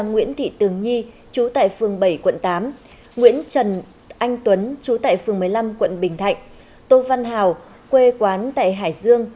nguyễn thị tường nhi chú tại phường bảy quận tám nguyễn trần anh tuấn chú tại phường một mươi năm quận bình thạnh tô văn hào quê quán tại hải dương